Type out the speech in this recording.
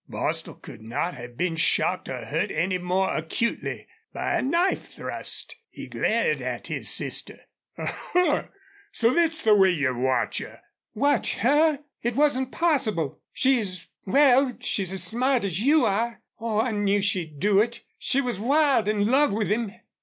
Bostil could not have been shocked or hurt any more acutely by a knife thrust. He glared at his sister. "A huh! So thet's the way you watch her!" "Watch her? It wasn't possible. She's well, she's as smart as you are.... Oh, I knew she'd do it! She was wild in love with him!"